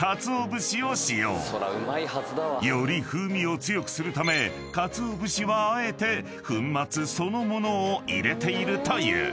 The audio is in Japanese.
［より風味を強くするため鰹節はあえて粉末そのものを入れているという］